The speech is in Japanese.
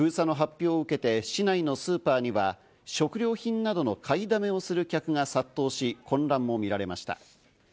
封鎖の発表を受けて市内のスーパーには食料品などの買いだめをする客が殺到し、混乱もみられました。